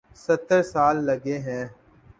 ستر سال لگے ہیں۔